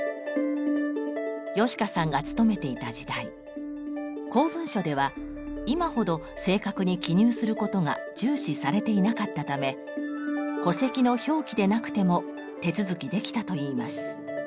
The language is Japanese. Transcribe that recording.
芳香さんが勤めていた時代公文書では今ほど正確に記入することが重視されていなかったため戸籍の表記でなくても手続きできたといいます。